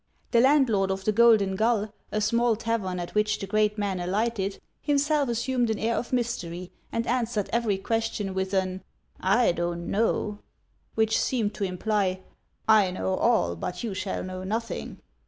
The landlord of the Golden Gull, a small tavern at which the great man alighted, himself assumed an air of mystery, and answered every question with an " I don't know," which seemed to imply, " I know all, but you shall know nothing."